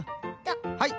はい。